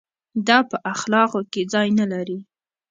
دا په اخلاق کې ځای نه لري.